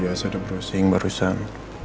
ya sudah browsing barusan